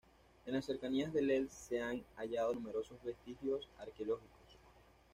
En las cercanías de Lel se han hallado numerosos vestigios arqueológicos.